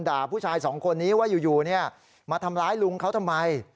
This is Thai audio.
ด่าผู้ชายสองคนนี้ว่าอยู่มาทำร้ายลุงเขาทำไม